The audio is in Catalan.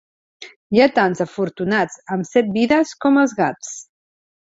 Hi ha tants afortunats, amb set vides com els gats.